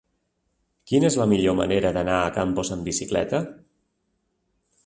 Quina és la millor manera d'anar a Campos amb bicicleta?